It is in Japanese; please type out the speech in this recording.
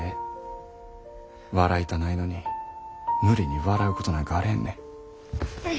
笑いたないのに無理に笑うことなんかあれへんね。